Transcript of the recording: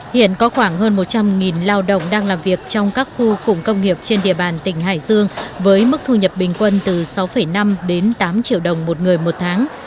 hiện có khoảng hơn một trăm linh lao động đang làm việc trong các khu củng công nghiệp trên địa bàn tỉnh hải dương với mức thu nhập bình quân từ sáu năm đến tám triệu đồng một người một tháng